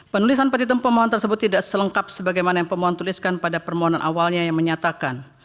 penulisan petitum pemohon tersebut tidak selengkap sebagaimana yang pemohon tuliskan pada permohonan awalnya yang menyatakan